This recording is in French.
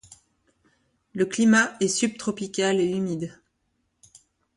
Le climat est subtropical et humide.